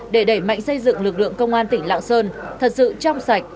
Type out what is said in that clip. để đẩy mạnh xây dựng lực lượng công an tỉnh lạng sơn thật sự trong sạch